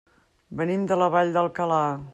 Venim de la Vall d'Alcalà.